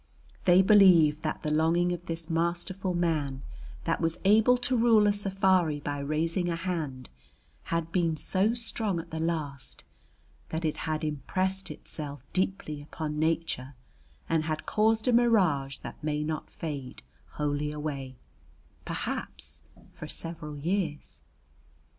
They believe that the longing of this masterful man, that was able to rule a safari by raising a hand, had been so strong at the last that it had impressed itself deeply upon nature and had caused a mirage that may not fade wholly away, perhaps for several years.